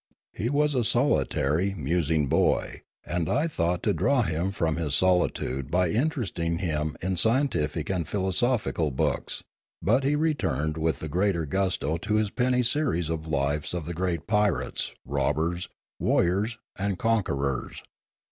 He was a solitary, musing boy, and I thought to draw him from his solitude by interesting him in scientific and philosophical books; but he returned with the greater gusto to his penny series of lives of the great pirates, robbers, warriors, and conquerors.